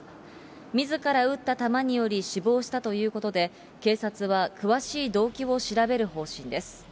みずから撃った弾により死亡したということで、警察は詳しい動機を調べる方針です。